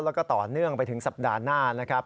แล้วก็ต่อเนื่องไปถึงสัปดาห์หน้านะครับ